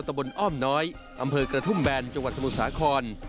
ตะบนอ้อมน้อยอำเภอกระทุ่มแบนจังหวัดสมุทรสาคร